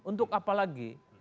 untuk apa lagi